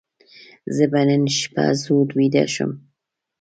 زه به نن شپه زود ویده شم.